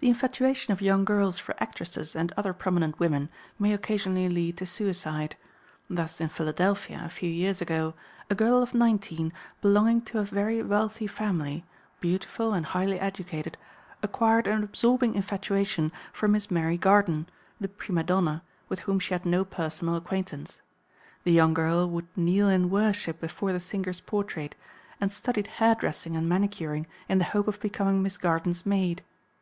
The infatuation of young girls for actresses and other prominent women may occasionally lead to suicide. Thus in Philadelphia, a few years ago, a girl of 19, belonging to a very wealthy family, beautiful and highly educated, acquired an absorbing infatuation for Miss Mary Garden, the prima donna, with whom she had no personal acquaintance. The young girl would kneel in worship before the singer's portrait, and studied hairdressing and manicuring in the hope of becoming Miss Garden's maid.